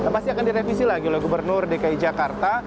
pasti akan direvisi lagi oleh gubernur dki jakarta